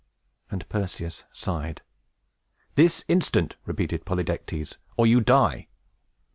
And Perseus sighed. "This instant," repeated Polydectes, "or you die!"